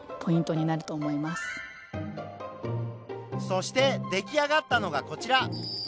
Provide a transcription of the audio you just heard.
そして出来上がったのがこちら。